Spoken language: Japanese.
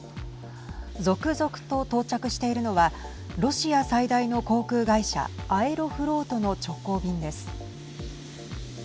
続々と到着しているのはロシア最大の航空会社アエロフロートの直行便です。